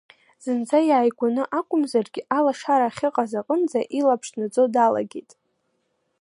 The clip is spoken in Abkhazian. Зынӡа иааигәаны акәымзаргьы, алашара ахьыҟаз аҟынӡа илаԥш наӡо далагеит…